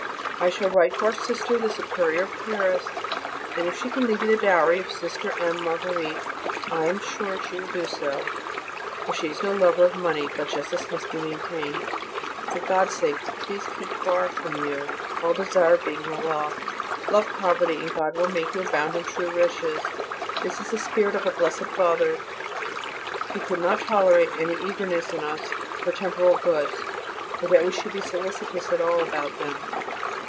I shall write to our Sister the Superior of Paris, and if she can leave you the dowry of Sister M. Marguerite I am sure she will do so, for she is no lover of money, but justice must be maintained. For God's sake keep far from you all desire of being well off. Love poverty and God will make you abound in true riches: this is the spirit of our Blessed Father. He could not tolerate any eagerness in us for temporal goods, or that we should be solicitous at all about them.